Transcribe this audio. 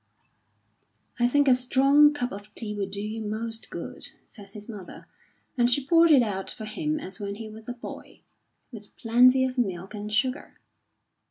"I think a strong cup of tea will do you most good," said his mother, and she poured it out for him as when he was a boy, with plenty of milk and sugar.